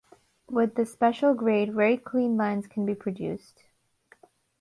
With this special grade, very clean lines can be produced.